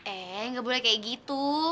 eh nggak boleh kayak gitu